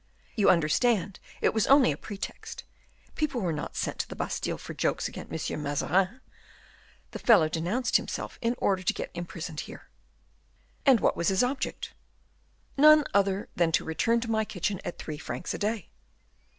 you understand it was only a pretext; people were not sent to the Bastile for jokes against M. Mazarin; the fellow denounced himself in order to get imprisoned here." "And what was his object?" "None other than to return to my kitchen at three francs a day."